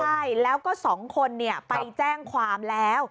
ใช่แล้วก็๒คนไปแจ้งความแล้ว